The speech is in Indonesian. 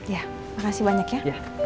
ya makasih banyak ya